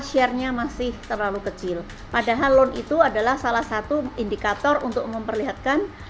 share nya masih terlalu kecil padahal loan itu adalah salah satu indikator untuk memperlihatkan